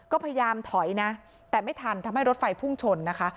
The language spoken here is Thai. ก็พยายามถอยนะแต่ไม่ทันทำให้รถไฟพุ่งชนนะคะ